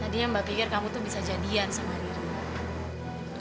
tadinya mbak pikir kamu tuh bisa jadian sama riri